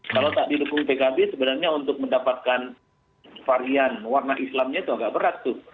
kalau tak didukung pkb sebenarnya untuk mendapatkan varian warna islamnya itu agak berat tuh